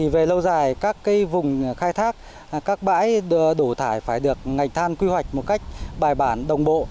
về lâu dài các vùng khai thác các bãi đổ thải phải được ngành than quy hoạch một cách bài bản đồng bộ